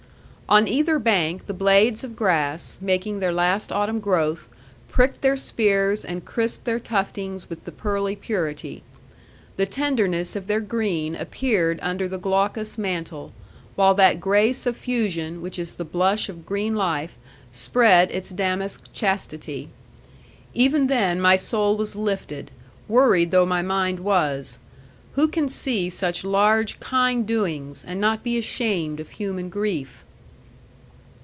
On either bank, the blades of grass, making their last autumn growth, pricked their spears and crisped their tuftings with the pearly purity. The tenderness of their green appeared under the glaucous mantle; while that grey suffusion, which is the blush of green life, spread its damask chastity. Even then my soul was lifted, worried though my mind was: who can see such large kind doings, and not be ashamed of human grief?